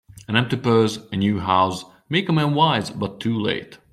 An empty purse, and a new house, make a man wise, but too late.